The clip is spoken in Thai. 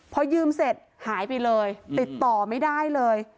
พอยืมเสร็จหายไปเลยติดต่อไม่ได้เลย